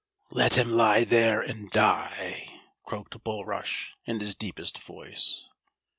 "Let him lie there and die!" croaked Bulrush, in his deepest voice.